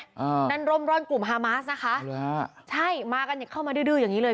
อ่านั่นร่มร่อนกลุ่มฮามาสนะคะใช่มากันเข้ามาดื้อดื้ออย่างนี้เลย